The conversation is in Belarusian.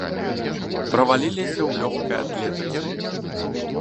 Праваліліся ў лёгкай атлетыцы.